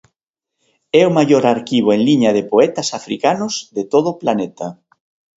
É o maior arquivo en liña de poetas africanos de todo o planeta.